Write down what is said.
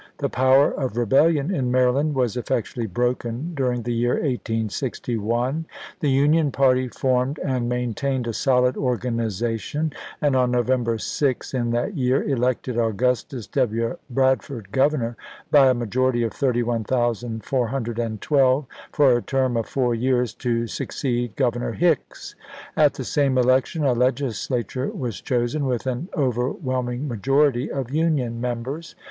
The power of rebellion in Maryland was effectually broken during the year 1861. The Union party formed and maintained a solid organization, and on No vember 6, in that year, elected Augustus W. Brad " Tribune^^ ford govcmor, by a majority of 31,412, for a term of four years, to succeed Governor Hicks. At the same election a Legislature was chosen, with an overwhelming majority of Union members.